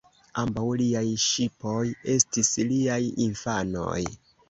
Ambaŭ liaj ŝipoj estis liaj infanoj.